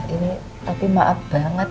ini tapi maaf banget